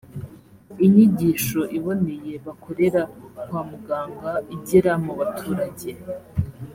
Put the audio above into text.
inyigisho iboneye bakorera kwa muganga igera mu baturage